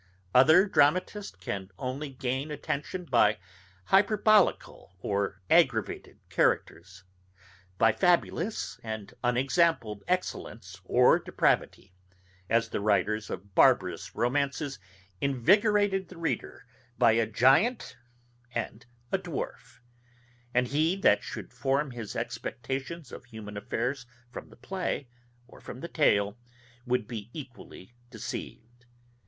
Other dramatists can only gain attention by hyperbolical or aggravated characters, by fabulous and unexampled excellence or depravity, as the writers of barbarous romances invigorated the reader by a giant and a dwarf; and he that should form his expectations of human affairs from the play, or from the tale, would be equally deceived.